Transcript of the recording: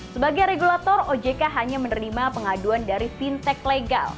sebagai regulator ojk hanya menerima pengaduan dari fintech legal